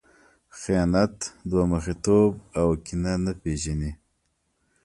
خیانت، دوه مخی توب او کینه نه پېژني.